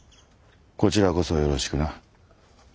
こちらこそよろしくな。